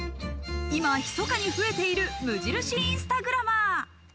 今ひそかに増えている無印インスタグラマー。